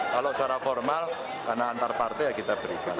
kalau secara formal anak antar partai kita berikan